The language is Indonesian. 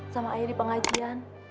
sama ayah di pengajian